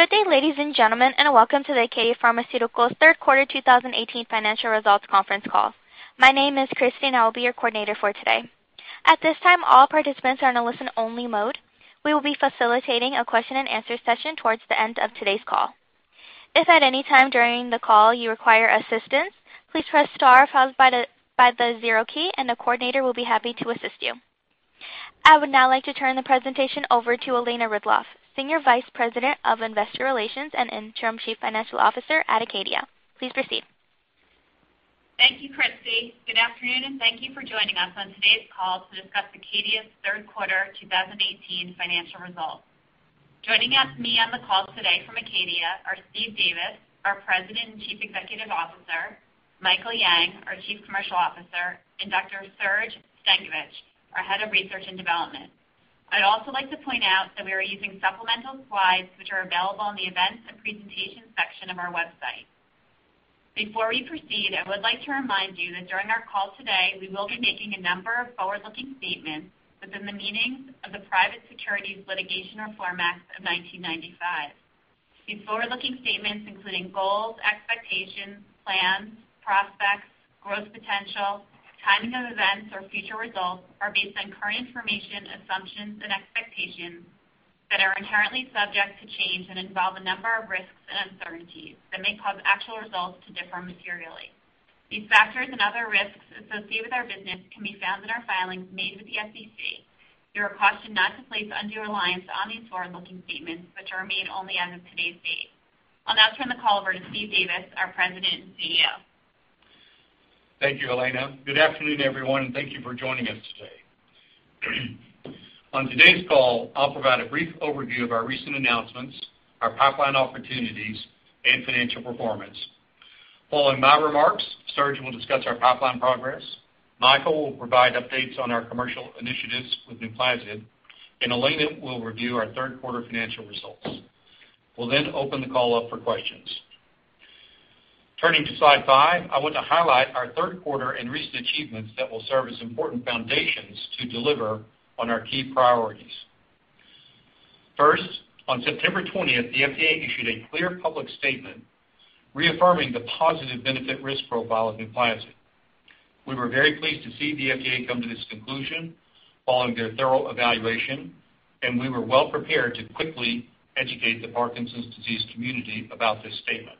Good day, ladies and gentlemen, and welcome to the ACADIA Pharmaceuticals third quarter 2018 financial results conference call. My name is Christy, and I will be your coordinator for today. At this time, all participants are in a listen only mode. We will be facilitating a question and answer session towards the end of today's call. If at any time during the call you require assistance, please press star followed by the zero key and a coordinator will be happy to assist you. I would now like to turn the presentation over to Elena Ridloff, Senior Vice President of Investor Relations and Interim Chief Financial Officer at ACADIA. Please proceed. Thank you, Christy. Good afternoon, and thank you for joining us on today's call to discuss ACADIA's third quarter 2018 financial results. Joining me on the call today from ACADIA are Steve Davis, our President and Chief Executive Officer, Michael Yang, our Chief Commercial Officer, and Dr. Serge Stankovic, our Head of Research and Development. I'd also like to point out that we are using supplemental slides, which are available in the events and presentations section of our website. Before we proceed, I would like to remind you that during our call today, we will be making a number of forward-looking statements within the meanings of the Private Securities Litigation Reform Act of 1995. These forward-looking statements, including goals, expectations, plans, prospects, growth, potential timing of events, or future results, are based on current information, assumptions and expectations that are inherently subject to change and involve a number of risks and uncertainties that may cause actual results to differ materially. These factors and other risks associated with our business can be found in our filings made with the SEC. You are cautioned not to place undue reliance on these forward-looking statements, which are made only as of today's date. I'll now turn the call over to Steve Davis, our President and CEO. Thank you, Elena. Good afternoon, everyone, and thank you for joining us today. On today's call, I'll provide a brief overview of our recent announcements, our pipeline opportunities, and financial performance. Following my remarks, Serge will discuss our pipeline progress. Michael will provide updates on our commercial initiatives with NUPLAZID, and Elena will review our third quarter financial results. We'll then open the call up for questions. Turning to slide five, I want to highlight our third quarter and recent achievements that will serve as important foundations to deliver on our key priorities. First, on September 20th, the FDA issued a clear public statement reaffirming the positive benefit-risk profile of NUPLAZID. We were very pleased to see the FDA come to this conclusion following their thorough evaluation, and we were well prepared to quickly educate the Parkinson's disease community about this statement.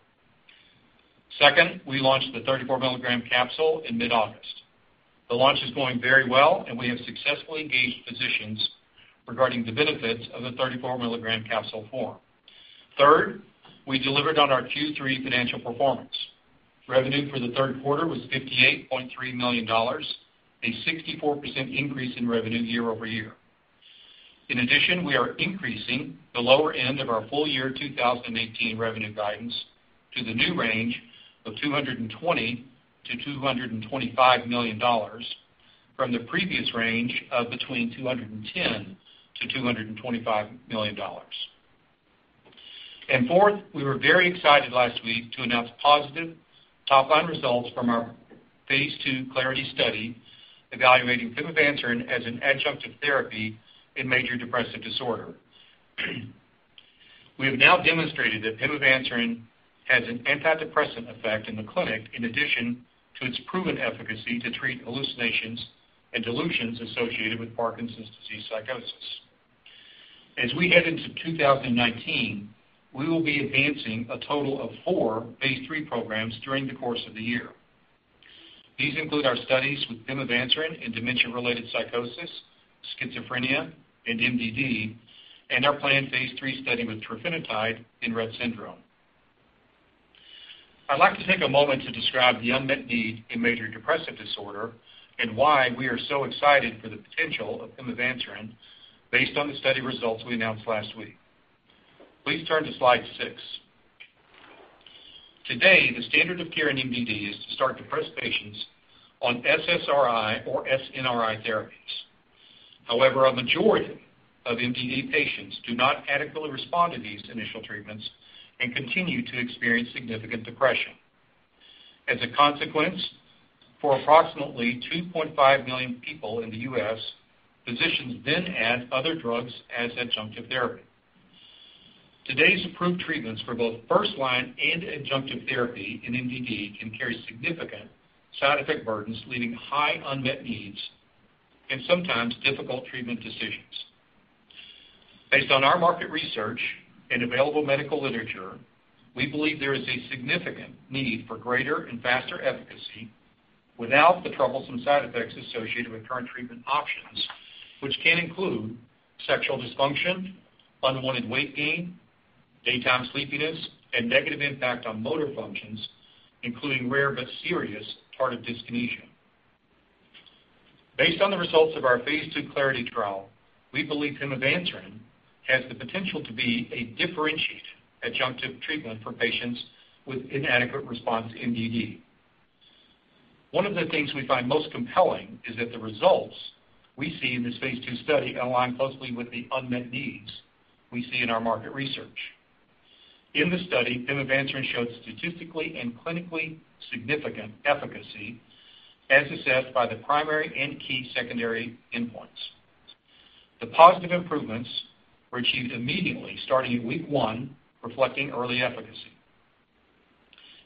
Second, we launched the 34 milligram capsule in mid-August. The launch is going very well, and we have successfully engaged physicians regarding the benefits of the 34 milligram capsule form. Third, we delivered on our Q3 financial performance. Revenue for the third quarter was $58.3 million, a 64% increase in revenue year-over-year. In addition, we are increasing the lower end of our full year 2018 revenue guidance to the new range of $220 million-$225 million from the previous range of between $210 million and $225 million. Fourth, we were very excited last week to announce positive top-line results from our phase II CLARITY study evaluating pimavanserin as an adjunctive therapy in major depressive disorder. We have now demonstrated that pimavanserin has an antidepressant effect in the clinic, in addition to its proven efficacy to treat hallucinations and delusions associated with Parkinson's disease psychosis. As we head into 2019, we will be advancing a total of four phase III programs during the course of the year. These include our studies with pimavanserin in dementia-related psychosis, schizophrenia, and MDD, and our planned phase III study with trofinetide in Rett syndrome. I'd like to take a moment to describe the unmet need in major depressive disorder and why we are so excited for the potential of pimavanserin based on the study results we announced last week. Please turn to slide six. Today, the standard of care in MDD is to start depressed patients on SSRI or SNRI therapies. However, a majority of MDD patients do not adequately respond to these initial treatments and continue to experience significant depression. As a consequence, for approximately 2.5 million people in the U.S., physicians then add other drugs as adjunctive therapy. Today's approved treatments for both first-line and adjunctive therapy in MDD can carry significant side effect burdens, leaving high unmet needs and sometimes difficult treatment decisions. Based on our market research and available medical literature, we believe there is a significant need for greater and faster efficacy without the troublesome side effects associated with current treatment options, which can include sexual dysfunction, unwanted weight gain, daytime sleepiness, and negative impact on motor functions, including rare but serious tardive dyskinesia. Based on the results of our phase II CLARITY trial, we believe pimavanserin has the potential to be a differentiated adjunctive treatment for patients with inadequate response MDD. One of the things we find most compelling is that the results we see in this phase II study align closely with the unmet needs we see in our market research. In the study, pimavanserin showed statistically and clinically significant efficacy as assessed by the primary and key secondary endpoints. The positive improvements were achieved immediately starting at week one, reflecting early efficacy.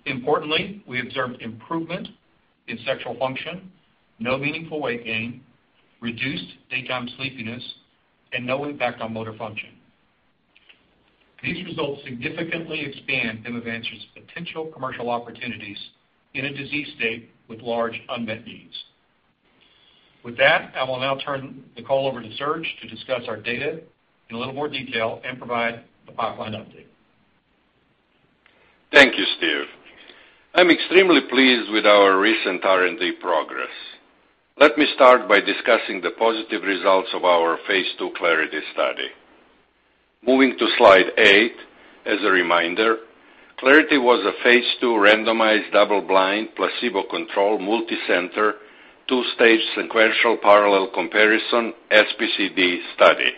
Importantly, we observed improvement in sexual function, no meaningful weight gain, reduced daytime sleepiness, and no impact on motor function. With that, I will now turn the call over to Serge to discuss our data in a little more detail and provide a pipeline update. Thank you, Steve. I'm extremely pleased with our recent R&D progress. Let me start by discussing the positive results of our phase II CLARITY study. Moving to slide eight, as a reminder, CLARITY was a phase II randomized, double-blind, placebo-controlled, multicenter, two-stage sequential parallel comparison SPCD study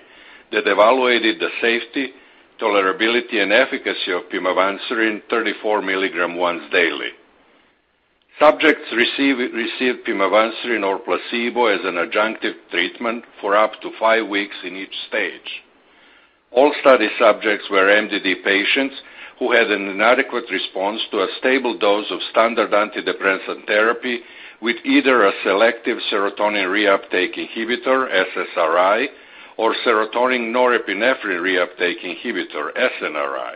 that evaluated the safety, tolerability, and efficacy of pimavanserin 34 mg once daily. Subjects received pimavanserin or placebo as an adjunctive treatment for up to five weeks in each stage. All study subjects were MDD patients who had an inadequate response to a stable dose of standard antidepressant therapy with either a selective serotonin reuptake inhibitor, SSRI, or serotonin norepinephrine reuptake inhibitor, SNRI.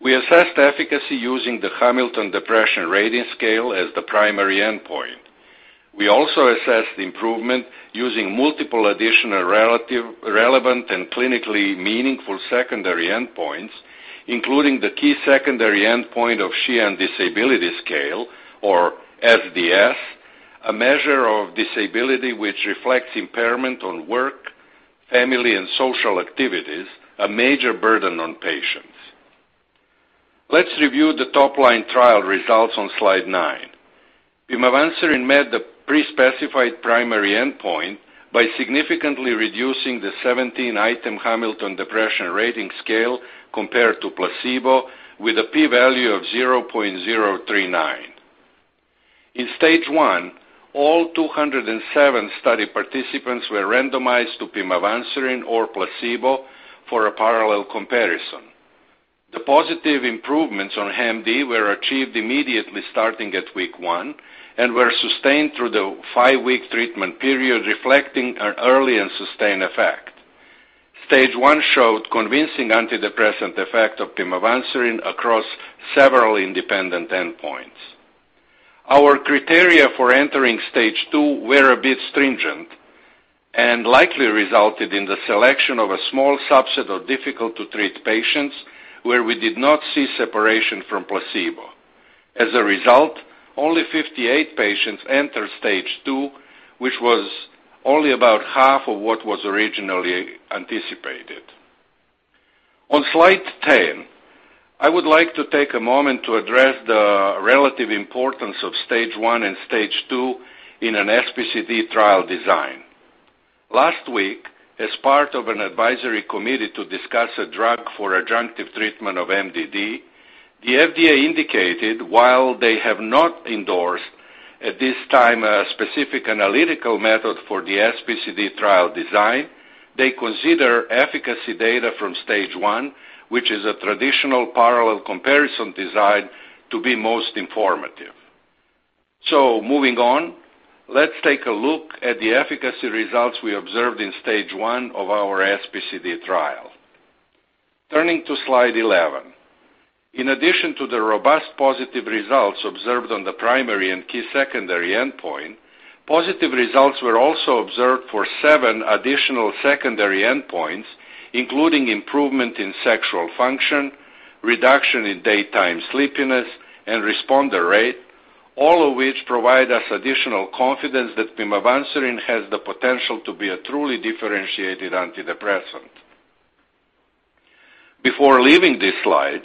We assessed efficacy using the Hamilton Depression Rating Scale as the primary endpoint. We also assessed improvement using multiple additional relevant and clinically meaningful secondary endpoints, including the key secondary endpoint of Sheehan Disability Scale, or SDS, a measure of disability which reflects impairment on work, family, and social activities, a major burden on patients. Let's review the top-line trial results on slide nine. pimavanserin met the pre-specified primary endpoint by significantly reducing the 17-item Hamilton Depression Rating Scale compared to placebo with a P value of 0.039. In stage 1, all 207 study participants were randomized to pimavanserin or placebo for a parallel comparison. The positive improvements on HAM-D were achieved immediately starting at week one and were sustained through the five-week treatment period, reflecting an early and sustained effect. Stage 1 showed convincing antidepressant effect of pimavanserin across several independent endpoints. Our criteria for entering stage 2 were a bit stringent and likely resulted in the selection of a small subset of difficult-to-treat patients, where we did not see separation from placebo. As a result, only 58 patients entered stage 2, which was only about half of what was originally anticipated. On slide 10, I would like to take a moment to address the relative importance of stage 1 and stage 2 in an SPCD trial design. Last week, as part of an advisory committee to discuss a drug for adjunctive treatment of MDD, the FDA indicated while they have not endorsed at this time a specific analytical method for the SPCD trial design, they consider efficacy data from stage 1, which is a traditional parallel comparison design, to be most informative. Moving on, let's take a look at the efficacy results we observed in stage 1 of our SPCD trial. Turning to slide 11. In addition to the robust positive results observed on the primary and key secondary endpoint, positive results were also observed for seven additional secondary endpoints, including improvement in sexual function, reduction in daytime sleepiness, and responder rate, all of which provide us additional confidence that pimavanserin has the potential to be a truly differentiated antidepressant. Before leaving this slide,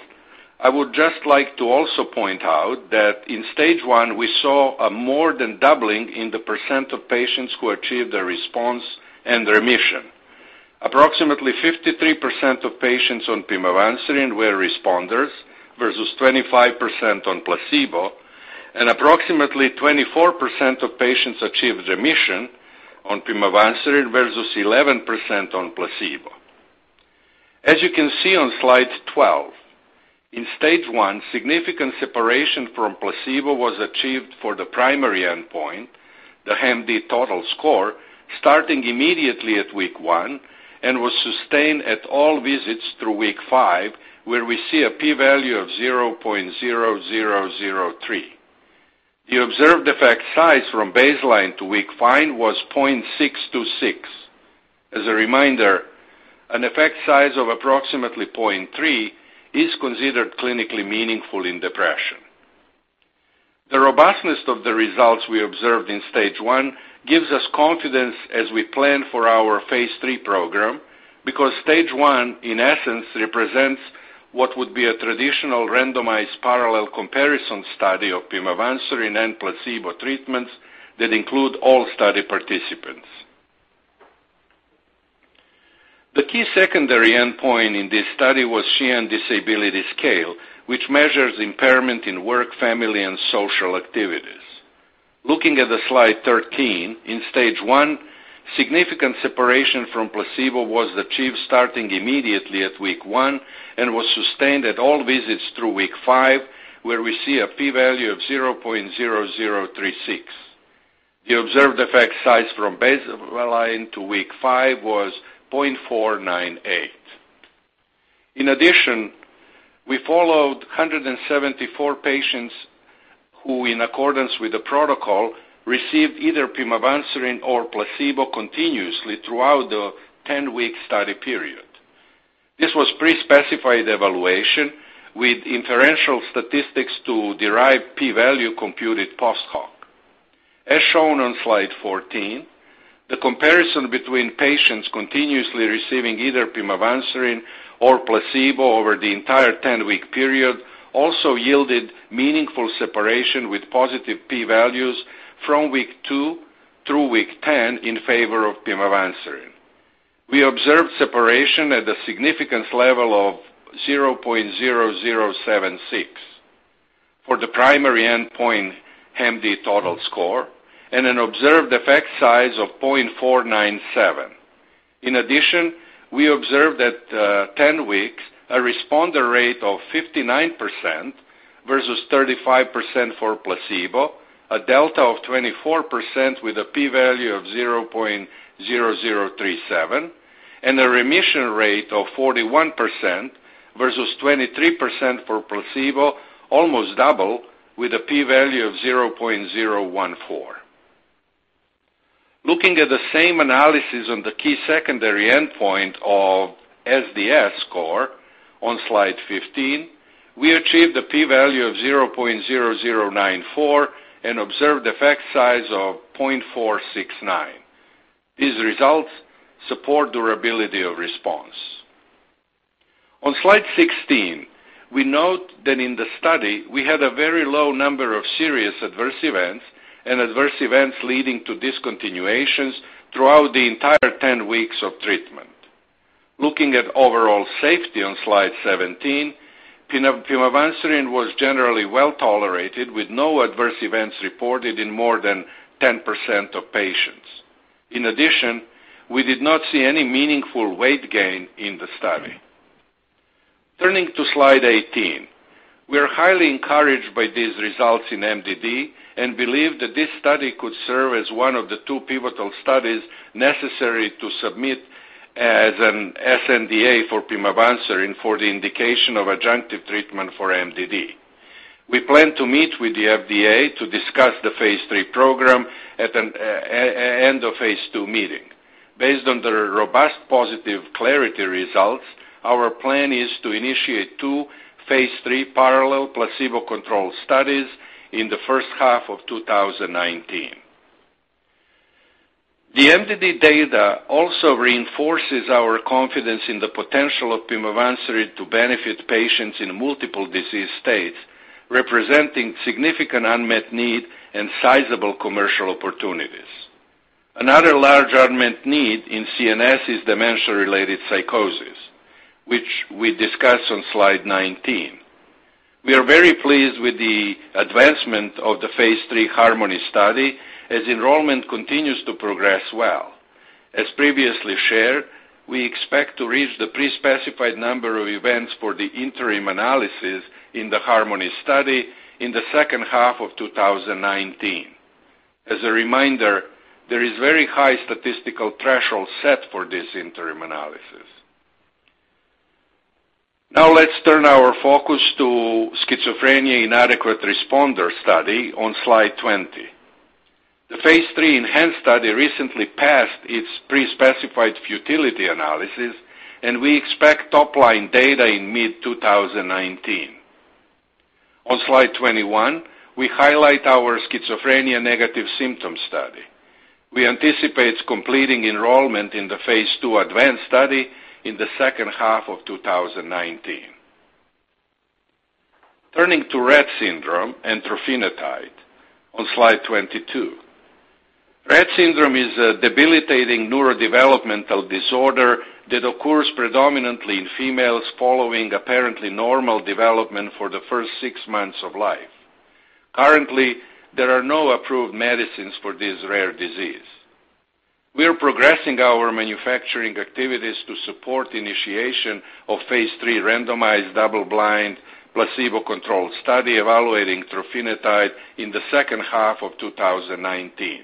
I would just like to also point out that in stage 1, we saw a more than doubling in the % of patients who achieved a response and remission. Approximately 53% of patients on pimavanserin were responders versus 25% on placebo, and approximately 24% of patients achieved remission on pimavanserin versus 11% on placebo. As you can see on slide 12, in stage 1, significant separation from placebo was achieved for the primary endpoint, the HAM-D total score, starting immediately at week 1 and was sustained at all visits through week 5, where we see a P value of 0.0003. The observed effect size from baseline to week 5 was 0.626. As a reminder, an effect size of approximately 0.3 is considered clinically meaningful in depression. The robustness of the results we observed in stage 1 gives us confidence as we plan for our phase III program because stage 1, in essence, represents what would be a traditional randomized parallel comparison study of pimavanserin and placebo treatments that include all study participants. The key secondary endpoint in this study was Sheehan Disability Scale, which measures impairment in work, family, and social activities. Looking at the slide 13, in stage 1, significant separation from placebo was achieved starting immediately at week 1 and was sustained at all visits through week 5, where we see a P value of 0.0036. The observed effect size from baseline to week 5 was 0.498. In addition, we followed 174 patients who, in accordance with the protocol, received either pimavanserin or placebo continuously throughout the 10-week study period. This was pre-specified evaluation with inferential statistics to derive P value computed post hoc. As shown on slide 14, the comparison between patients continuously receiving either pimavanserin or placebo over the entire 10-week period also yielded meaningful separation with positive P values from week 2 through week 10 in favor of pimavanserin. We observed separation at a significance level of 0.0076 for the primary endpoint HAM-D total score and an observed effect size of 0.497. In addition, we observed that 10 weeks, a responder rate of 59% versus 35% for placebo, a delta of 24% with a P value of 0.0037, and a remission rate of 41% versus 23% for placebo, almost double with a P value of 0.014. Looking at the same analysis on the key secondary endpoint of SDS score on slide 15, we achieved a P value of 0.0094 and observed effect size of 0.469. These results support durability of response. On slide 16, we note that in the study, we had a very low number of serious adverse events and adverse events leading to discontinuations throughout the entire 10 weeks of treatment. Looking at overall safety on slide 17, pimavanserin was generally well-tolerated, with no adverse events reported in more than 10% of patients. In addition, we did not see any meaningful weight gain in the study. Turning to slide 18. We are highly encouraged by these results in MDD and believe that this study could serve as one of the two pivotal studies necessary to submit as an sNDA for pimavanserin for the indication of adjunctive treatment for MDD. We plan to meet with the FDA to discuss the phase III program at an end-of-phase II meeting. Based on the robust positive CLARITY results, our plan is to initiate two phase III parallel placebo-controlled studies in the first half of 2019. The MDD data also reinforces our confidence in the potential of pimavanserin to benefit patients in multiple disease states, representing significant unmet need and sizable commercial opportunities. Another large unmet need in CNS is dementia-related psychosis, which we discuss on slide 19. We are very pleased with the advancement of the phase III HARMONY study as enrollment continues to progress well. As previously shared, we expect to reach the pre-specified number of events for the interim analysis in the HARMONY study in the second half of 2019. As a reminder, there is very high statistical threshold set for this interim analysis. Let's turn our focus to schizophrenia inadequate responder study on slide 20. The phase III ENHANCE study recently passed its pre-specified futility analysis, and we expect top-line data in mid-2019. On slide 21, we highlight our schizophrenia negative symptoms study. We anticipate completing enrollment in the phase II ADVANCE study in the second half of 2019. Turning to Rett syndrome and trofinetide on slide 22. Rett syndrome is a debilitating neurodevelopmental disorder that occurs predominantly in females following apparently normal development for the first six months of life. Currently, there are no approved medicines for this rare disease. We are progressing our manufacturing activities to support initiation of phase III randomized double-blind placebo-controlled study evaluating trofinetide in the second half of 2019.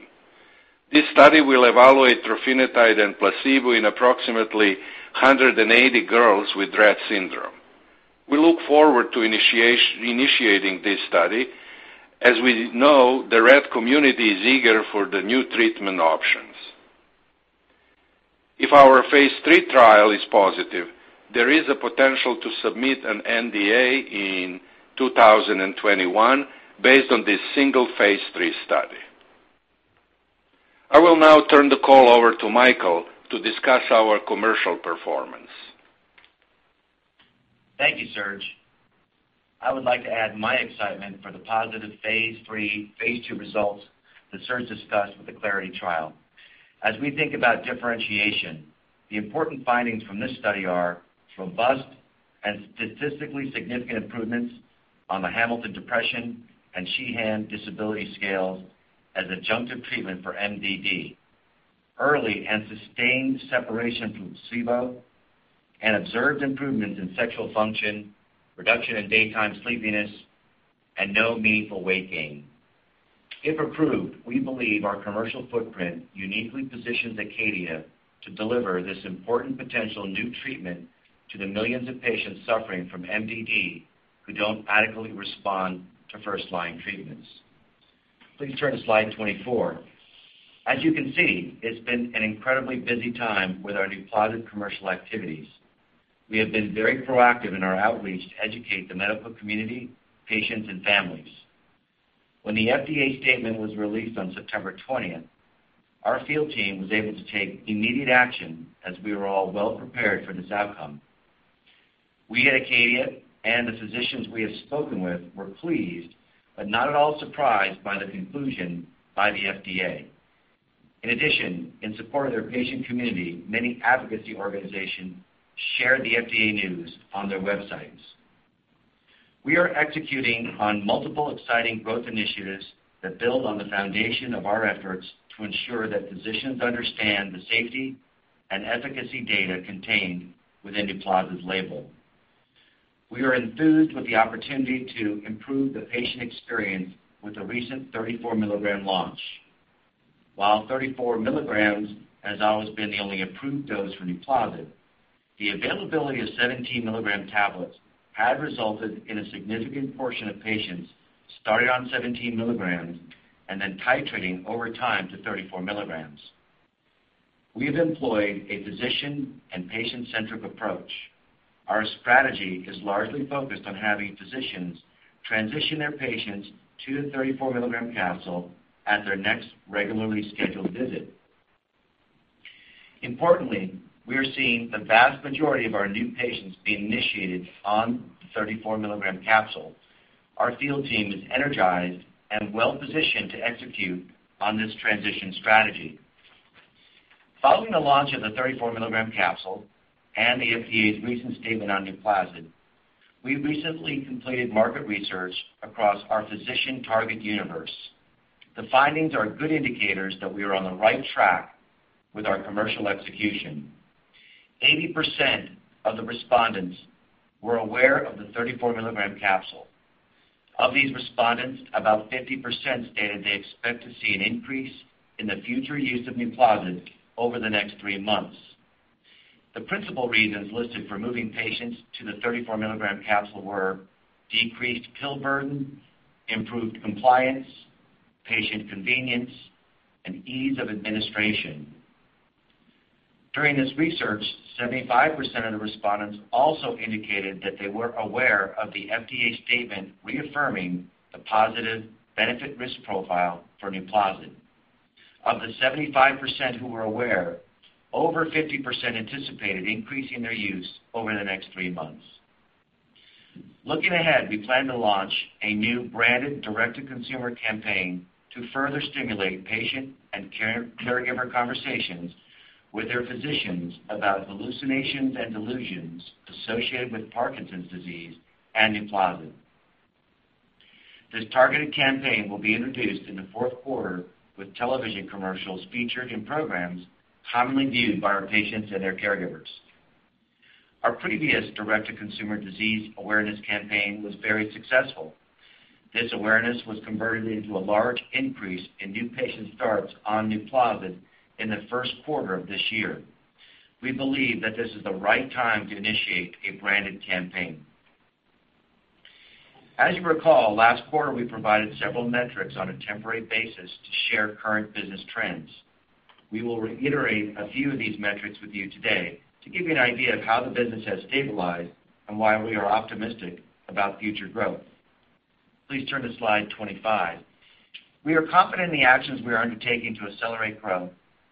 This study will evaluate trofinetide and placebo in approximately 180 girls with Rett syndrome. We look forward to initiating this study. As we know, the Rett community is eager for the new treatment options. If our phase III trial is positive, there is a potential to submit an NDA in 2021 based on this single phase III study. I will now turn the call over to Michael to discuss our commercial performance. Thank you, Serge. I would like to add my excitement for the positive phase III, phase II results that Serge discussed with the CLARITY trial. As we think about differentiation, the important findings from this study are robust and statistically significant improvements on the Hamilton Depression and Sheehan Disability Scales as adjunctive treatment for MDD, early and sustained separation from placebo, and observed improvements in sexual function, reduction in daytime sleepiness, and no meaningful weight gain. If approved, we believe our commercial footprint uniquely positions Acadia to deliver this important potential new treatment to the millions of patients suffering from MDD who don't adequately respond to first-line treatments. Please turn to slide 24. As you can see, it's been an incredibly busy time with our NUPLAZID commercial activities. We have been very proactive in our outreach to educate the medical community, patients, and families. When the FDA statement was released on September 20th, our field team was able to take immediate action as we were all well prepared for this outcome. We at Acadia and the physicians we have spoken with were pleased but not at all surprised by the conclusion by the FDA. In addition, in support of their patient community, many advocacy organizations shared the FDA news on their websites. We are executing on multiple exciting growth initiatives that build on the foundation of our efforts to ensure that physicians understand the safety and efficacy data contained within NUPLAZID's label. We are enthused with the opportunity to improve the patient experience with the recent 34 milligram launch. While 34 milligrams has always been the only approved dose for NUPLAZID, the availability of 17 milligram tablets had resulted in a significant portion of patients starting on 17 milligrams and then titrating over time to 34 milligrams. We have employed a physician and patient-centric approach. Our strategy is largely focused on having physicians transition their patients to the 34 milligram capsule at their next regularly scheduled visit. Importantly, we are seeing the vast majority of our new patients being initiated on the 34 milligram capsule. Our field team is energized and well-positioned to execute on this transition strategy. Following the launch of the 34 milligram capsule and the FDA's recent statement on NUPLAZID, we recently completed market research across our physician target universe. The findings are good indicators that we are on the right track with our commercial execution. 80% of the respondents were aware of the 34 milligram capsule. Of these respondents, about 50% stated they expect to see an increase in the future use of NUPLAZID over the next three months. The principal reasons listed for moving patients to the 34 milligram capsule were decreased pill burden, improved compliance, patient convenience, and ease of administration. During this research, 75% of the respondents also indicated that they were aware of the FDA statement reaffirming the positive benefit risk profile for NUPLAZID. Of the 75% who were aware, over 50% anticipated increasing their use over the next three months. Looking ahead, we plan to launch a new branded direct-to-consumer campaign to further stimulate patient and caregiver conversations with their physicians about hallucinations and delusions associated with Parkinson's disease and NUPLAZID. This targeted campaign will be introduced in the fourth quarter with television commercials featured in programs commonly viewed by our patients and their caregivers. Our previous direct-to-consumer disease awareness campaign was very successful. This awareness was converted into a large increase in new patient starts on NUPLAZID in the first quarter of this year. We believe that this is the right time to initiate a branded campaign. As you recall, last quarter we provided several metrics on a temporary basis to share current business trends. We will reiterate a few of these metrics with you today to give you an idea of how the business has stabilized and why we are optimistic about future growth. Please turn to slide 25. We are confident in the actions we are undertaking to accelerate growth.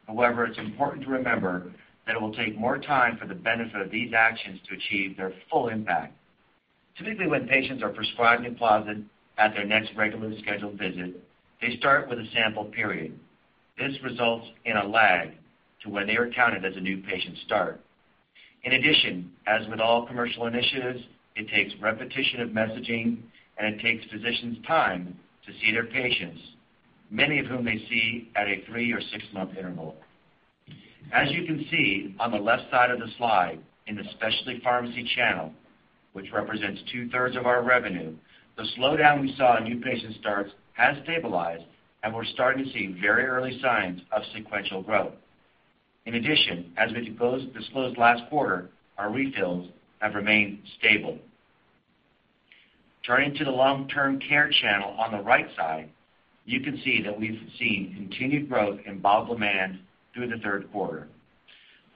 It's important to remember that it will take more time for the benefit of these actions to achieve their full impact. Typically, when patients are prescribed NUPLAZID at their next regularly scheduled visit, they start with a sample period. This results in a lag to when they are counted as a new patient start. In addition, as with all commercial initiatives, it takes repetition of messaging and it takes physicians time to see their patients, many of whom they see at a three or six-month interval. As you can see on the left side of the slide in the specialty pharmacy channel, which represents two-thirds of our revenue, the slowdown we saw in new patient starts has stabilized and we're starting to see very early signs of sequential growth. In addition, as we disclosed last quarter, our refills have remained stable. Turning to the long-term care channel on the right side, you can see that we've seen continued growth in bottle demand through the third quarter.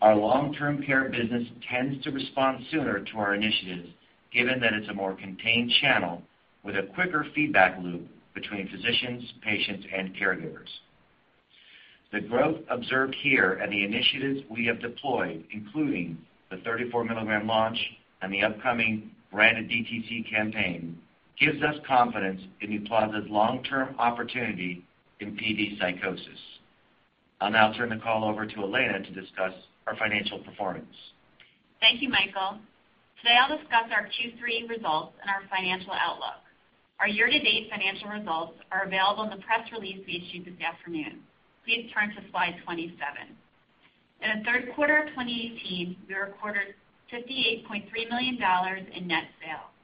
Our long-term care business tends to respond sooner to our initiatives given that it's a more contained channel with a quicker feedback loop between physicians, patients, and caregivers. The growth observed here and the initiatives we have deployed, including the 34 milligram launch and the upcoming branded DTC campaign, gives us confidence in NUPLAZID's long-term opportunity in PD psychosis. I'll now turn the call over to Elena to discuss our financial performance. Thank you, Michael. Today, I'll discuss our Q3 results and our financial outlook. Our year-to-date financial results are available in the press release we issued this afternoon. Please turn to slide 27. In the third quarter of 2018, we recorded $58.3 million in net sales,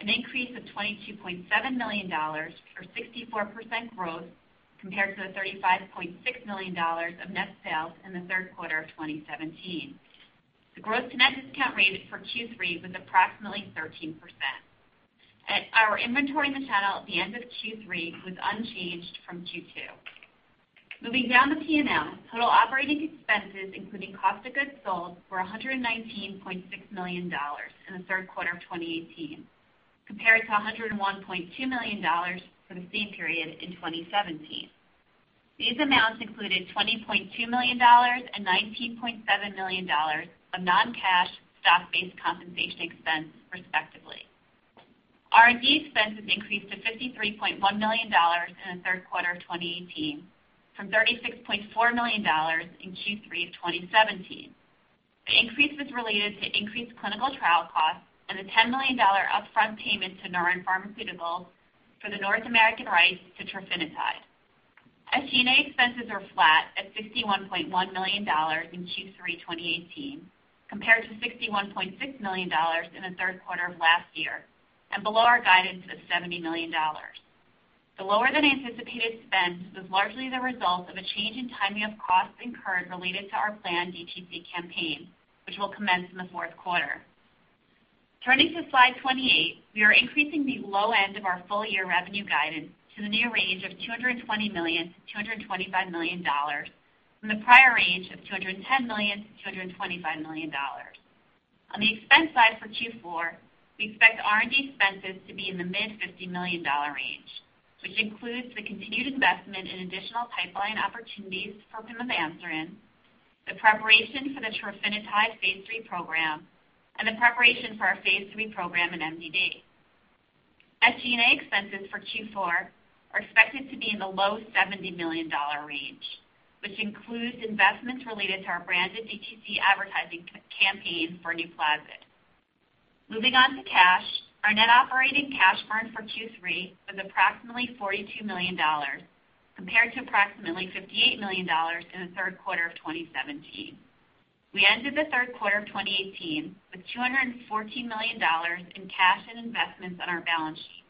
an increase of $22.7 million or 64% growth compared to the $35.6 million of net sales in the third quarter of 2017. The growth to net discount rate for Q3 was approximately 13%. Our inventory in the channel at the end of Q3 was unchanged from Q2. Moving down the P&L, total operating expenses, including cost of goods sold, were $119.6 million in the third quarter of 2018, compared to $101.2 million for the same period in 2017. These amounts included $20.2 million and $19.7 million of non-cash stock-based compensation expense, respectively. R&D expenses increased to $53.1 million in the third quarter of 2018 from $36.4 million in Q3 of 2017. The increase was related to increased clinical trial costs and the $10 million upfront payment to Neuren Pharmaceuticals for the North American rights to trofinetide. SG&A expenses are flat at $51.1 million in Q3 2018 compared to $61.6 million in the third quarter of last year, and below our guidance of $70 million. The lower than anticipated spend was largely the result of a change in timing of costs incurred related to our planned DTC campaign, which will commence in the fourth quarter. Turning to slide 28, we are increasing the low end of our full-year revenue guidance to the new range of $220 million-$225 million from the prior range of $210 million-$225 million. On the expense side for Q4, we expect R&D expenses to be in the mid-$50 million range, which includes the continued investment in additional pipeline opportunities for pimavanserin, the preparation for the trofinetide phase III program, and the preparation for our phase III program in MDD. SG&A expenses for Q4 are expected to be in the low $70 million range, which includes investments related to our branded DTC advertising campaign for NUPLAZID. Moving on to cash. Our net operating cash burn for Q3 was approximately $42 million compared to approximately $58 million in the third quarter of 2017. We ended the third quarter of 2018 with $214 million in cash and investments on our balance sheet.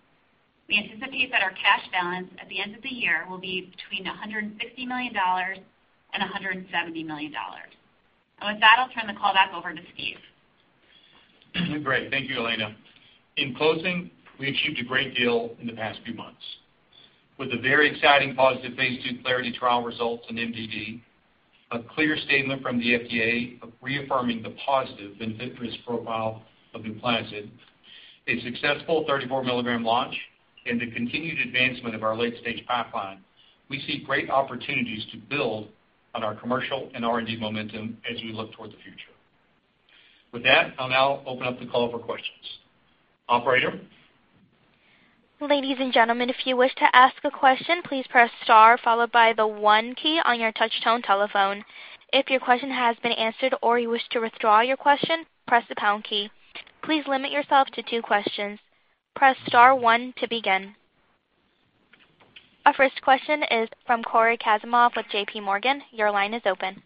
We anticipate that our cash balance at the end of the year will be between $160 million and $170 million. With that, I'll turn the call back over to Steve. Great, thank you, Elena. In closing, we achieved a great deal in the past few months. With the very exciting positive phase II CLARITY trial results in MDD, a clear statement from the FDA reaffirming the positive benefit-risk profile of NUPLAZID, a successful 34 milligram launch, and the continued advancement of our late-stage pipeline, we see great opportunities to build on our commercial and R&D momentum as we look toward the future. With that, I'll now open up the call for questions. Operator? Ladies and gentlemen, if you wish to ask a question, please press star followed by the one key on your touch-tone telephone. If your question has been answered or you wish to withdraw your question, press the pound key. Please limit yourself to two questions. Press star one to begin. Our first question is from Cory Kasimov with J.P. Morgan. Your line is open.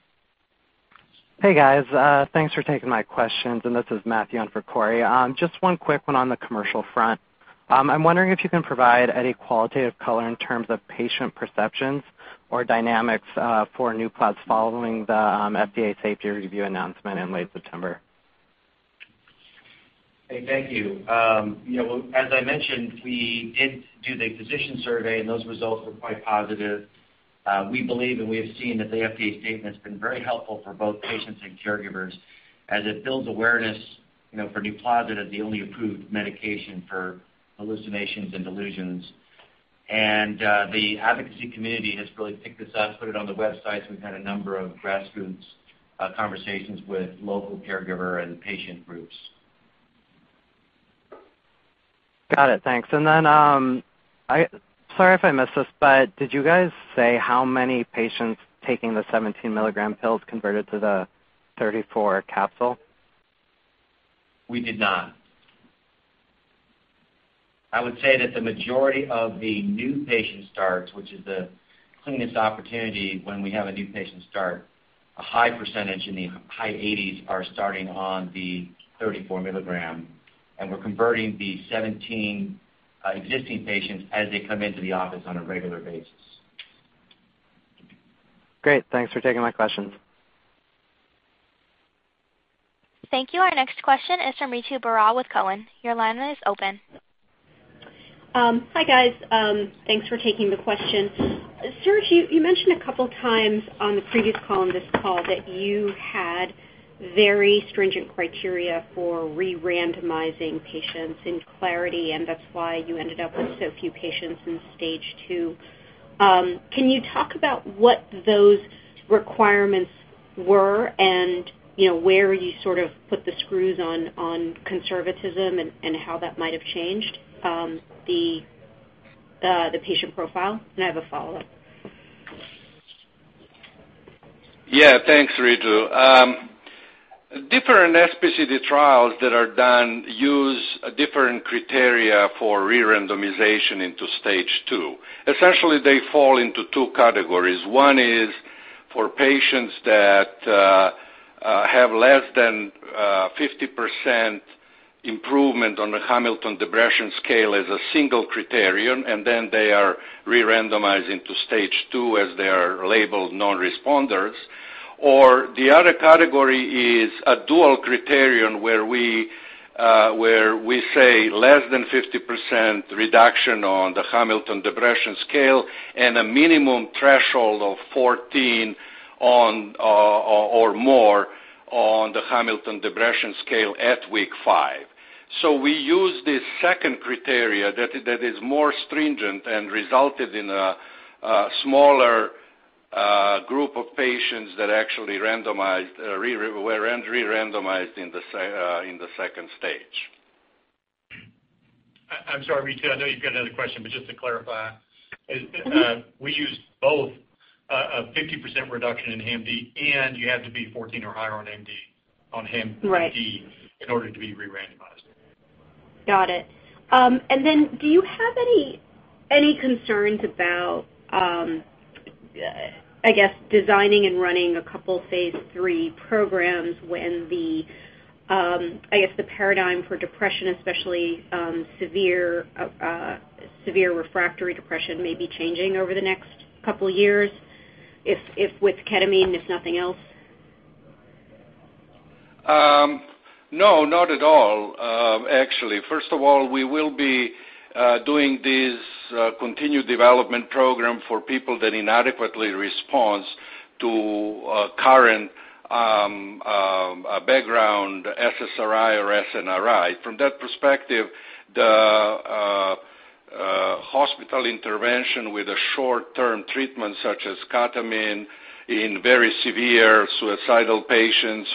Hey, guys. Thanks for taking my questions, and this is Matthew in for Cory. Just one quick one on the commercial front. I'm wondering if you can provide any qualitative color in terms of patient perceptions or dynamics for NUPLAZID following the FDA safety review announcement in late September. Hey, thank you. As I mentioned, we did do the physician survey, and those results were quite positive. We believe and we have seen that the FDA statement's been very helpful for both patients and caregivers as it builds awareness for NUPLAZID as the only approved medication for hallucinations and delusions. The advocacy community has really picked this up, put it on the websites. We've had a number of grassroots conversations with local caregiver and patient groups. Got it. Thanks. Sorry if I missed this, but did you guys say how many patients taking the 17 milligram pills converted to the 34 capsule? We did not. I would say that the majority of the new patient starts, which is the cleanest opportunity when we have a new patient start, a high percentage in the high 80s are starting on the 34 milligram, and we're converting the 17 existing patients as they come into the office on a regular basis. Great. Thanks for taking my questions. Thank you. Our next question is from Ritu Baral with Cowen. Your line is open. Hi, guys. Thanks for taking the question. Serge, you mentioned a couple times on the previous call and this call that you had very stringent criteria for re-randomizing patients in CLARITY, and that's why you ended up with so few patients in phase II. Can you talk about what those requirements were and where you sort of put the screws on conservatism and how that might have changed the patient profile. I have a follow-up. Yeah, thanks, Ritu. Different SPCD trials that are done use different criteria for re-randomization into phase II. Essentially, they fall into 2 categories. One is for patients that have less than 50% improvement on the Hamilton Depression Scale as a single criterion, then they are re-randomized into phase II as they are labeled non-responders. The other category is a dual criterion where we say less than 50% reduction on the Hamilton Depression Scale and a minimum threshold of 14 or more on the Hamilton Depression Scale at week five. We use this second criteria that is more stringent and resulted in a smaller group of patients that actually were re-randomized in the phase II. I'm sorry, Ritu. I know you've got another question, just to clarify. We used both a 50% reduction in HAM-D and you have to be 14 or higher on HAM-D- Right in order to be re-randomized. Got it. Do you have any concerns about, I guess, designing and running a couple phase III programs when the, I guess the paradigm for depression, especially severe refractory depression may be changing over the next couple of years with ketamine, if nothing else? No, not at all. Actually, first of all, we will be doing this continued development program for people that inadequately responds to current background SSRI or SNRI. From that perspective, the hospital intervention with a short-term treatment such as ketamine in very severe suicidal patients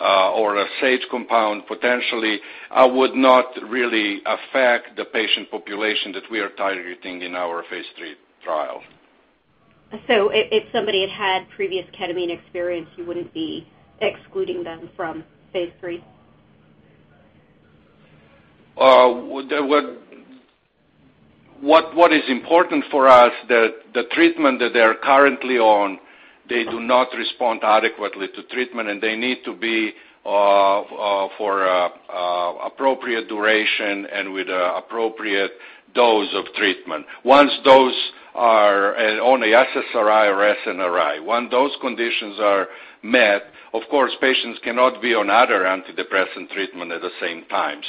or a Sage compound potentially would not really affect the patient population that we are targeting in our phase III trial. If somebody had previous ketamine experience, you wouldn't be excluding them from phase III? What is important for us, the treatment that they are currently on, they do not respond adequately to treatment. They need to be for appropriate duration and with appropriate dose of treatment. Once those are on a SSRI or SNRI, when those conditions are met, of course, patients cannot be on other antidepressant treatment at the same time.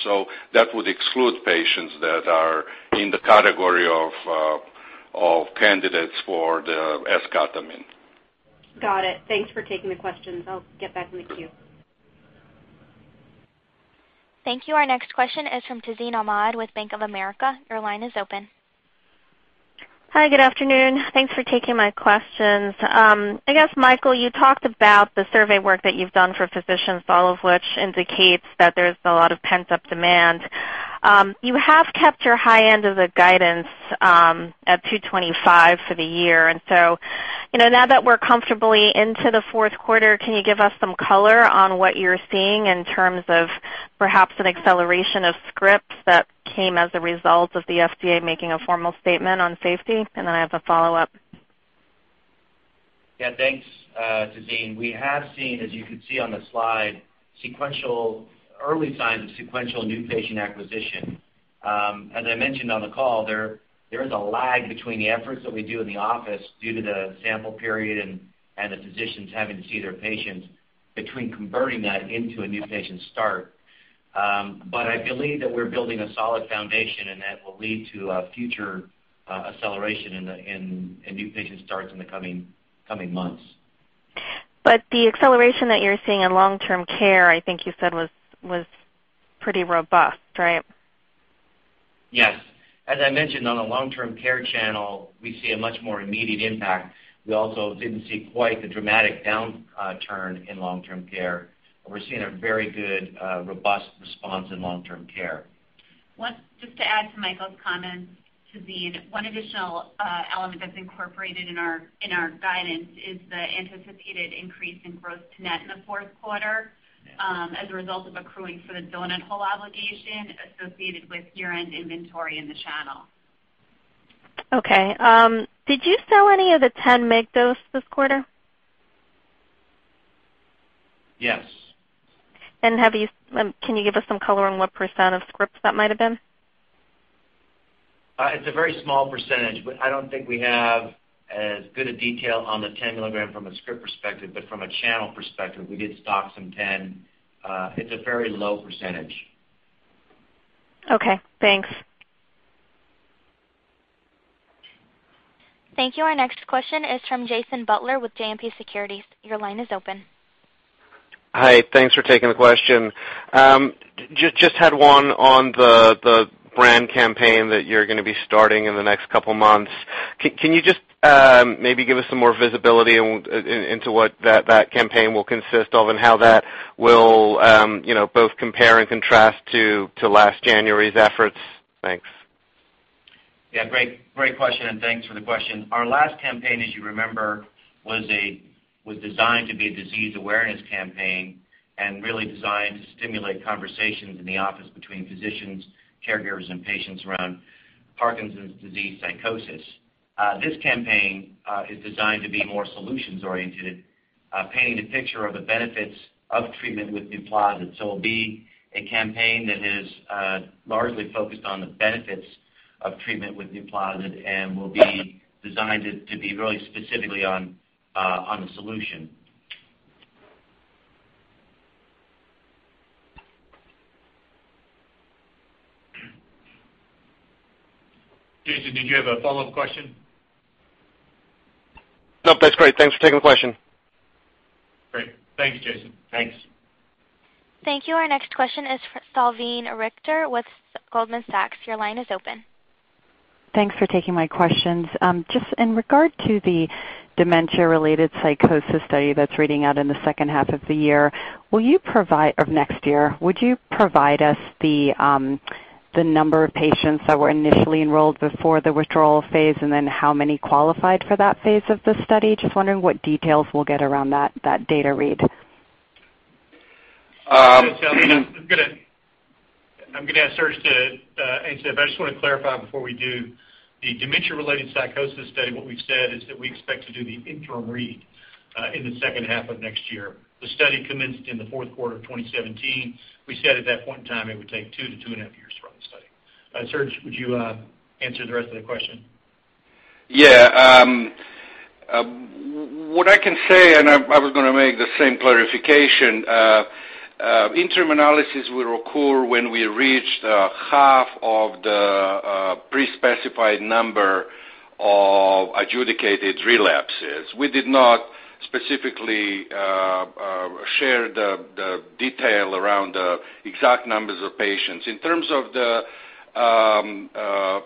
That would exclude patients that are in the category of candidates for the esketamine. Got it. Thanks for taking the questions. I'll get back in the queue. Thank you. Our next question is from Tazeen Ahmad with Bank of America. Your line is open. Hi, good afternoon. Thanks for taking my questions. I guess, Michael, you talked about the survey work that you've done for physicians, all of which indicates that there's a lot of pent-up demand. You have kept your high end of the guidance at $225 for the year. Now that we're comfortably into the fourth quarter, can you give us some color on what you're seeing in terms of perhaps an acceleration of scripts that came as a result of the FDA making a formal statement on safety? I have a follow-up. Yeah. Thanks, Tazeen. We have seen, as you can see on the slide, early signs of sequential new patient acquisition. As I mentioned on the call, there is a lag between the efforts that we do in the office due to the sample period and the physicians having to see their patients between converting that into a new patient start. I believe that we're building a solid foundation, and that will lead to a future acceleration in new patient starts in the coming months. The acceleration that you're seeing in long-term care, I think you said, was pretty robust, right? Yes. As I mentioned on the long-term care channel, we see a much more immediate impact. We also didn't see quite the dramatic downturn in long-term care. We're seeing a very good, robust response in long-term care. Just to add to Michael's comments, Tazeen, one additional element that's incorporated in our guidance is the anticipated increase in gross net in the fourth quarter as a result of accruing for the doughnut hole obligation associated with year-end inventory in the channel. Okay. Did you sell any of the 10 mg dose this quarter? Yes. Can you give us some color on what % of scripts that might have been? It's a very small %, I don't think we have as good a detail on the 10 mg from a script perspective. From a channel perspective, we did stock some 10. It's a very low %. Okay, thanks. Thank you. Our next question is from Jason Butler with JMP Securities. Your line is open. Hi. Thanks for taking the question. Just had one on the brand campaign that you're going to be starting in the next couple of months. Can you just maybe give us some more visibility into what that campaign will consist of, and how that will both compare and contrast to last January's efforts? Thanks. Yeah. Great question. Thanks for the question. Our last campaign, as you remember, was designed to be a disease awareness campaign and really designed to stimulate conversations in the office between physicians, caregivers, and patients around Parkinson's disease psychosis. This campaign is designed to be more solutions oriented, painting a picture of the benefits of treatment with NUPLAZID. It will be a campaign that is largely focused on the benefits of treatment with NUPLAZID and will be designed to be really specifically on the solution. Jason, did you have a follow-up question? No, that's great. Thanks for taking the question. Great. Thank you, Jason. Thanks. Thank you. Our next question is from Salveen Richter with Goldman Sachs. Your line is open. Thanks for taking my questions. Just in regard to the dementia-related psychosis study that's reading out in the second half of next year, would you provide us the number of patients that were initially enrolled before the withdrawal phase, and then how many qualified for that phase of the study? Just wondering what details we'll get around that data read. I'm going to ask Serge to answer that, but I just want to clarify before we do. The dementia-related psychosis study, what we've said is that we expect to do the interim read in the second half of next year. The study commenced in the fourth quarter of 2017. We said at that point in time it would take two to two and a half years to run the study. Serge, would you answer the rest of the question? Yeah. What I can say, I was going to make the same clarification, interim analysis will occur when we reach half of the pre-specified number of adjudicated relapses. We did not specifically share the detail around the exact numbers of patients. In terms of the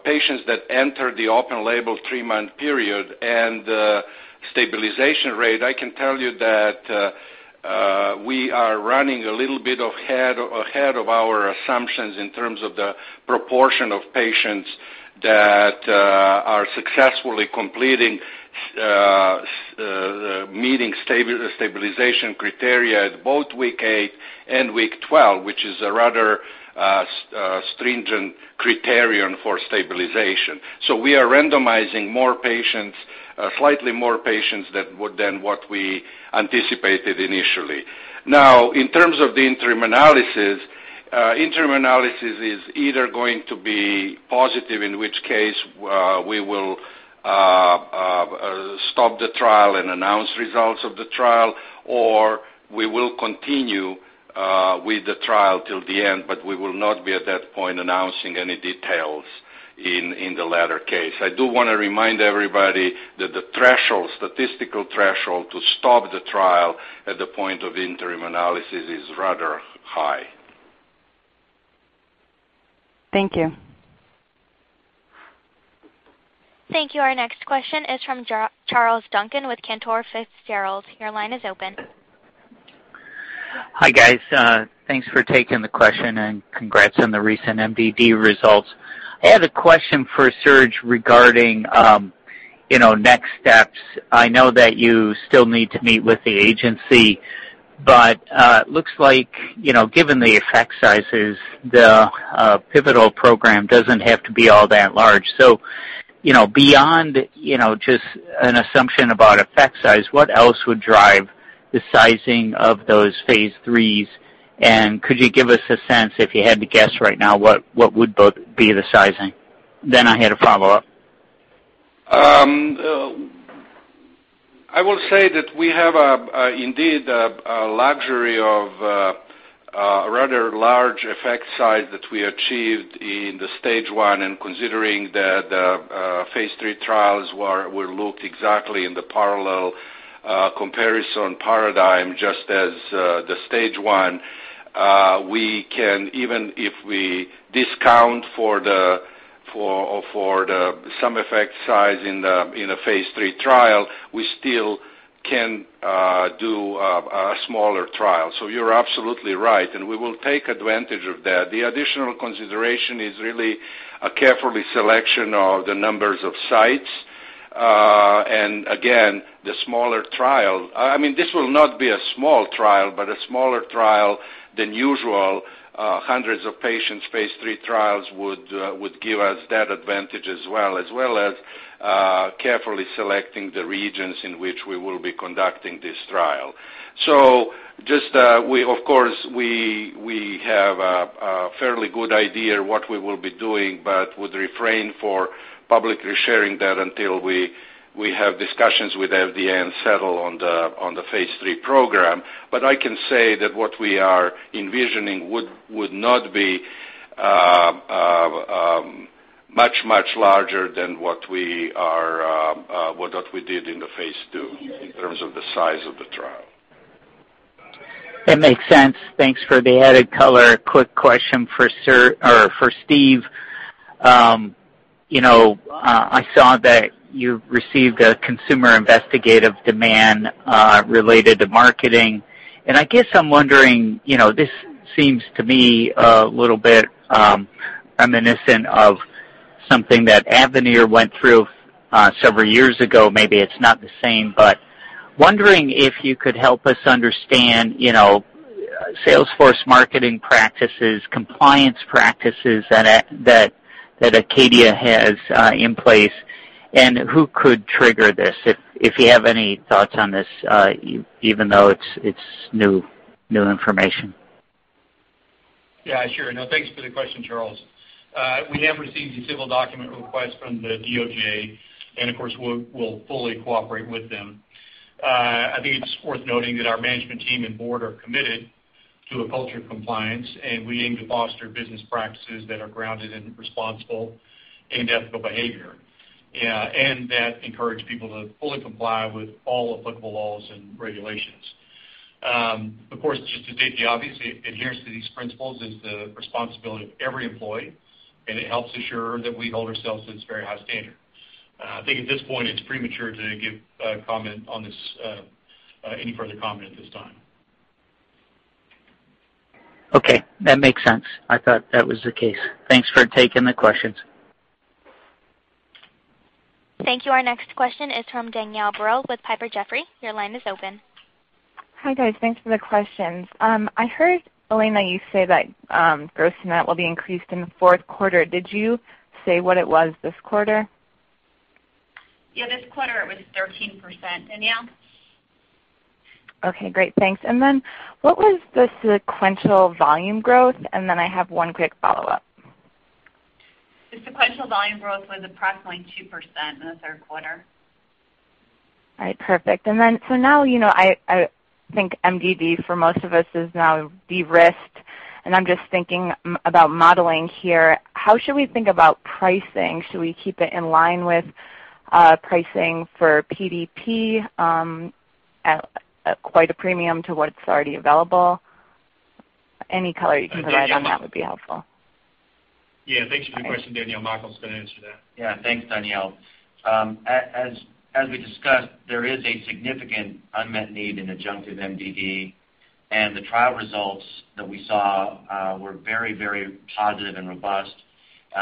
patients that entered the open label three-month period and the stabilization rate, I can tell you that we are running a little bit ahead of our assumptions in terms of the proportion of patients that are successfully completing meeting stabilization criteria at both week eight and week 12, which is a rather stringent criterion for stabilization. We are randomizing slightly more patients than what we anticipated initially. In terms of the interim analysis, interim analysis is either going to be positive, in which case we will stop the trial and announce results of the trial, or we will continue with the trial till the end, We will not be at that point announcing any details in the latter case. I do want to remind everybody that the statistical threshold to stop the trial at the point of interim analysis is rather high. Thank you. Thank you. Our next question is from Charles Duncan with Cantor Fitzgerald. Your line is open. Hi, guys. Thanks for taking the question and congrats on the recent MDD results. I had a question for Serge regarding next steps. I know that you still need to meet with the agency, but looks like given the effect sizes, the pivotal program doesn't have to be all that large. Beyond just an assumption about effect size, what else would drive the sizing of those phase IIIs, and could you give us a sense, if you had to guess right now, what would be the sizing? I had a follow-up. I will say that we have indeed a luxury of a rather large effect size that we achieved in the stage 1, and considering that the phase III trials were looked exactly in the parallel comparison paradigm, just as the stage 1. Even if we discount for some effect size in a phase III trial, we still can do a smaller trial. You're absolutely right, and we will take advantage of that. The additional consideration is really a careful selection of the numbers of sites. Again, the smaller trial. This will not be a small trial, but a smaller trial than usual. Hundreds of patients, phase III trials would give us that advantage as well, as well as carefully selecting the regions in which we will be conducting this trial. Just of course, we have a fairly good idea what we will be doing, but would refrain for publicly sharing that until we have discussions with FDA and settle on the phase III program. I can say that what we are envisioning would not be much, much larger than what we did in the phase II in terms of the size of the trial. That makes sense. Thanks for the added color. Quick question for Steve. I saw that you received a consumer investigative demand related to marketing. I guess I'm wondering, this seems to me a little bit reminiscent of something that Avanir went through several years ago. Maybe it's not the same. Wondering if you could help us understand sales force marketing practices, compliance practices that ACADIA has in place, and who could trigger this. If you have any thoughts on this, even though it's new information. Yeah, sure. Thanks for the question, Charles. We have received a civil document request from the DOJ. Of course, we'll fully cooperate with them. I think it's worth noting that our management team and board are committed to a culture of compliance. We aim to foster business practices that are grounded in responsible and ethical behavior. That encourage people to fully comply with all applicable laws and regulations. Of course, just to state the obvious, adherence to these principles is the responsibility of every employee. It helps ensure that we hold ourselves to this very high standard. I think at this point, it's premature to give any further comment at this time. Okay. That makes sense. I thought that was the case. Thanks for taking the questions. Thank you. Our next question is from Danielle Brill with Piper Jaffray. Your line is open. Hi, guys. Thanks for the questions. I heard, Elena, you say that gross net will be increased in the fourth quarter. Did you say what it was this quarter? Yeah, this quarter it was 13%, Danielle. Okay, great. Thanks. What was the sequential volume growth? I have one quick follow-up. The sequential volume growth was approximately 2% in the third quarter. All right, perfect. Now, I think MDD for most of us is now de-risked, and I'm just thinking about modeling here. How should we think about pricing? Should we keep it in line with pricing for PDP, at quite a premium to what's already available? Any color you can provide on that would be helpful. Yeah. Thanks for your question, Danielle. Michael's going to answer that. Yeah. Thanks, Danielle. As we discussed, there is a significant unmet need in adjunctive MDD, and the trial results that we saw were very positive and robust.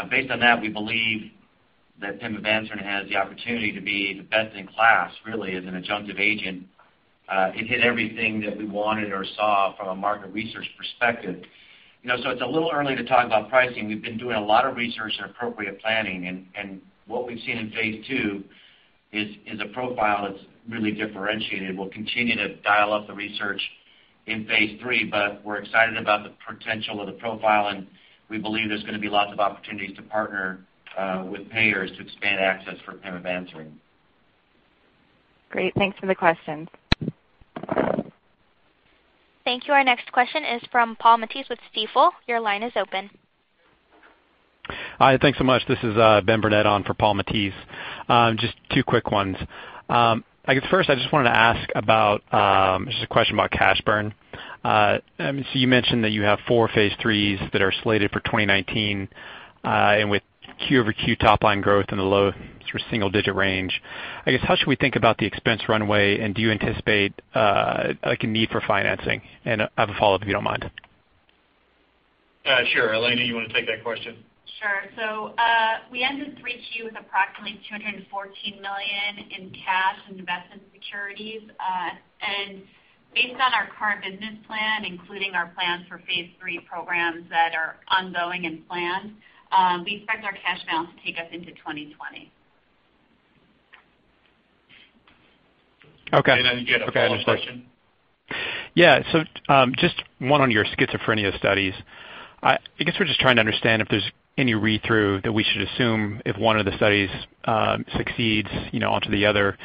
Based on that, we believe that pimavanserin has the opportunity to be the best in class, really, as an adjunctive agent. It hit everything that we wanted or saw from a market research perspective. It's a little early to talk about pricing. We've been doing a lot of research and appropriate planning, and what we've seen in phase II is a profile that's really differentiated. We'll continue to dial up the research in phase III, we're excited about the potential of the profile, and we believe there's going to be lots of opportunities to partner with payers to expand access for pimavanserin. Great. Thanks for the questions. Thank you. Our next question is from Paul Matteis with Stifel. Your line is open. Hi, thanks so much. This is Benjamin Burnett on for Paul Matteis. Just two quick ones. I just wanted to ask about a question about cash burn. You mentioned that you have 4 phase III that are slated for 2019, and with Q over Q top line growth in the low sort of single-digit range. How should we think about the expense runway, and do you anticipate a need for financing? I have a follow-up, if you don't mind. Sure. Elena, you want to take that question? Sure. We ended 3Q with approximately $214 million in cash and investment securities. Based on our current business plan, including our plans for phase III programs that are ongoing and planned, we expect our cash balance to take us into 2020. Okay. You had a follow-up question? Just one on your schizophrenia studies. I guess we're just trying to understand if there's any read-through that we should assume if one of the studies succeeds onto the other.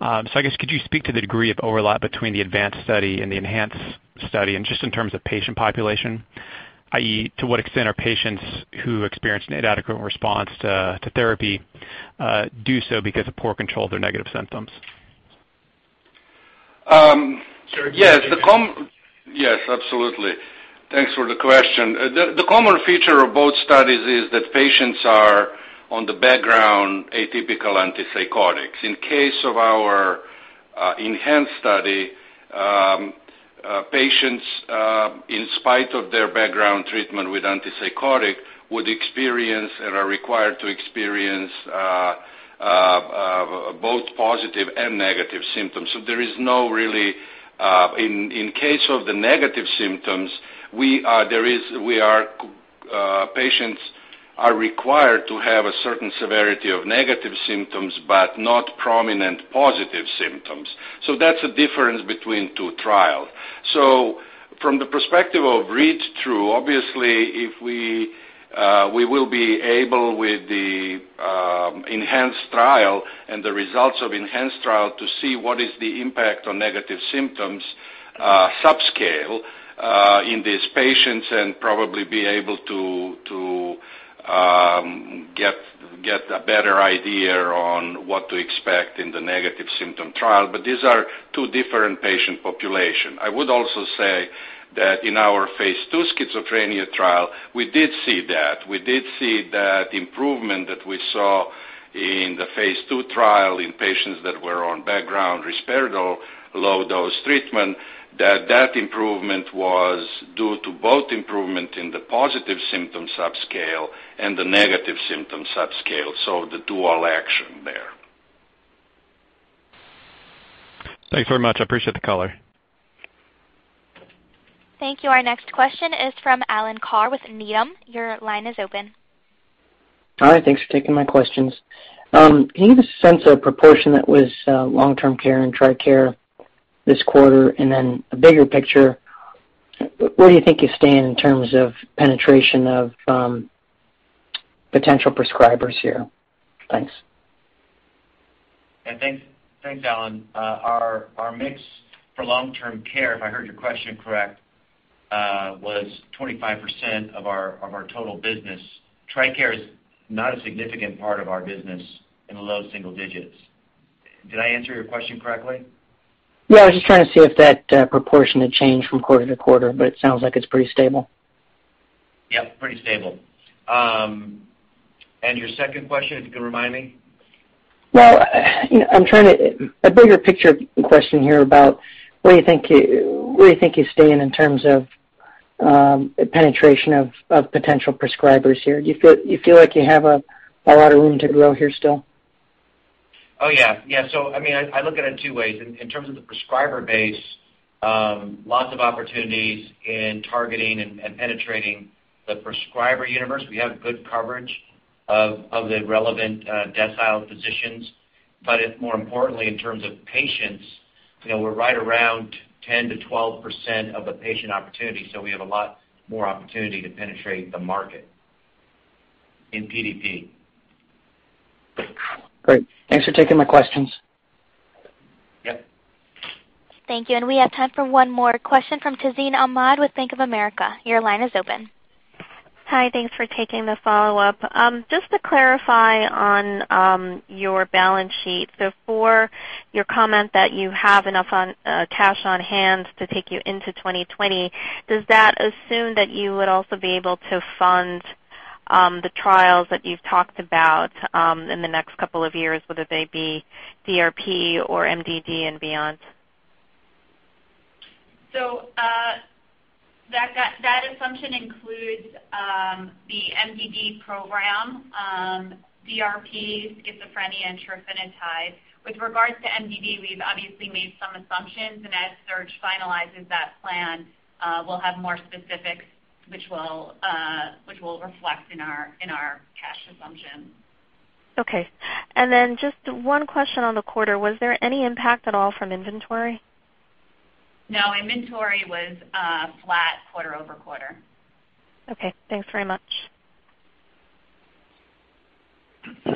I guess could you speak to the degree of overlap between the ADVANCE study and the ENHANCE study, just in terms of patient population, i.e., to what extent are patients who experience an inadequate response to therapy do so because of poor control of their negative symptoms? Sure. Thanks for the question. The common feature of both studies is that patients are on the background atypical antipsychotics. In case of our ENHANCE study, patients, in spite of their background treatment with antipsychotic, would experience and are required to experience both positive and negative symptoms. There is no in case of the negative symptoms, patients are required to have a certain severity of negative symptoms, but not prominent positive symptoms. That's the difference between two trials. From the perspective of read-through, obviously if we will be able with the ENHANCE trial and the results of ENHANCE trial to see what is the impact on negative symptoms subscale in these patients and probably be able to get a better idea on what to expect in the negative symptom trial. These are two different patient population. I would also say that in our phase II schizophrenia trial, we did see that. We did see that improvement that we saw in the phase II trial in patients that were on background Risperdal low dose treatment, that improvement was due to both improvement in the positive symptom subscale and the negative symptom subscale. The dual action there. Thanks very much. I appreciate the color. Thank you. Our next question is from Alan Carr with Needham. Your line is open. Hi, thanks for taking my questions. Can you give a sense of proportion that was long-term care and TRICARE this quarter? Then a bigger picture, where do you think you stand in terms of penetration of potential prescribers here? Thanks. Yeah. Thanks, Alan. Our mix for long-term care, if I heard your question correct, was 25% of our total business. TRICARE is not a significant part of our business, in the low single digits. Did I answer your question correctly? Yeah, I was just trying to see if that proportion had changed from quarter to quarter, but it sounds like it's pretty stable. Yep, pretty stable. Your second question, if you can remind me. Well, a bigger picture question here about where do you think you stand in terms of penetration of potential prescribers here? Do you feel like you have a lot of room to grow here still? Oh, yeah. I look at it two ways. In terms of the prescriber base, lots of opportunities in targeting and penetrating the prescriber universe. We have good coverage of the relevant decile physicians. But more importantly, in terms of patients, we're right around 10-12% of the patient opportunity, so we have a lot more opportunity to penetrate the market in PDP. Great. Thanks for taking my questions. Yep. Thank you. We have time for one more question from Tazeen Ahmad with Bank of America. Your line is open. Hi, thanks for taking the follow-up. Just to clarify on your balance sheet. For your comment that you have enough cash on hand to take you into 2020, does that assume that you would also be able to fund the trials that you've talked about in the next couple of years, whether they be DRP or MDD and beyond? That assumption includes the MDD program, DRP, schizophrenia, and trofinetide. With regards to MDD, we've obviously made some assumptions, and as Serge finalizes that plan, we'll have more specifics which we'll reflect in our cash assumptions. Okay. Then just one question on the quarter. Was there any impact at all from inventory? No, inventory was flat quarter-over-quarter. Okay, thanks very much.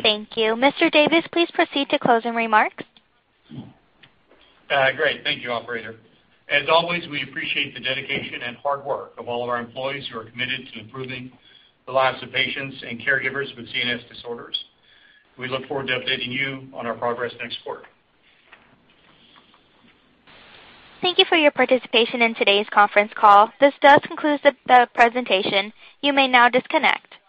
Thank you. Mr. Davis, please proceed to closing remarks. Great. Thank you, operator. As always, we appreciate the dedication and hard work of all of our employees who are committed to improving the lives of patients and caregivers with CNS disorders. We look forward to updating you on our progress next quarter. Thank you for your participation in today's conference call. This does conclude the presentation. You may now disconnect. Goodbye.